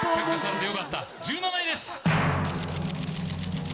１７位です。